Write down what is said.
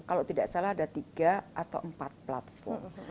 kalau tidak salah ada tiga atau empat platform